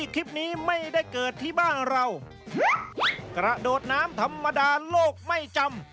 กระโดดน้ำธรรมดาโลกไม่จำ